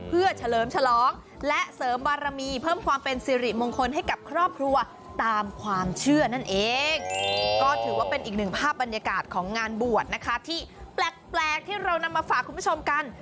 เพื่อเฉลิมฉลองและเสริมบารมีเพิ่มความเป็นสิริมงคลให้กับครอบครัวตามความเชื่อนั่นเองก็ถือว่าเป็นอีกหนึ่งภาพบรรยากาศของงานบวชนะคะที่แปลกที่เรานำมาฝากคุณผู้ชมกัน